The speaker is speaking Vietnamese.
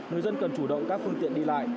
người dân cần chủ động các phương tiện đi lại